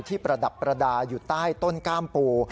ประดับประดาอยู่ใต้ต้นกล้ามปู